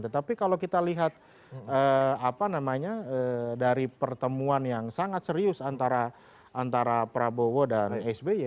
tetapi kalau kita lihat dari pertemuan yang sangat serius antara prabowo dan sby